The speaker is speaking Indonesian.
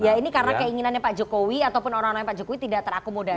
ya ini karena keinginannya pak jokowi ataupun orang orangnya pak jokowi tidak terakomodasi